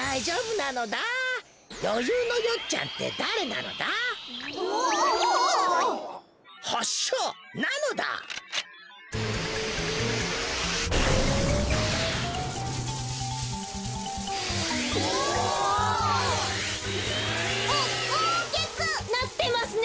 なってますね。